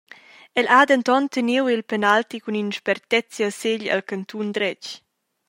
El ha denton teniu il penalti cun in spertezia segl el cantun dretg.